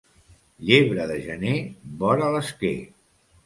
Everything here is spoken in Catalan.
Llebre de gener, vora l'esquer.